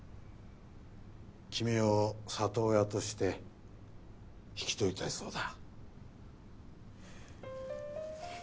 君を里親として引き取りたいそうだ。